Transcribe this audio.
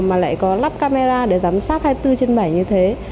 mà lại có lắp camera để giám sát hai mươi bốn trên bảy như thế